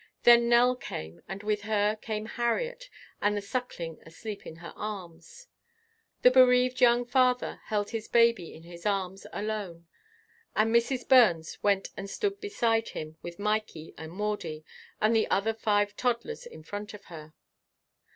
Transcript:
Then Nell came and with her came Harriet with the Suckling asleep in her arms. The bereaved young father held his baby in his arms alone and Mrs. Burns went and stood beside him with Mikey and Maudie and the other five toddlers in front of her.